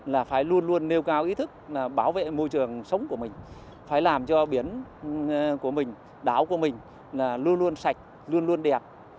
là phải luôn luôn nêu cao ý thức bảo vệ môi trường sống của mình phải làm cho biển của mình đảo của mình là luôn luôn sạch luôn luôn đẹp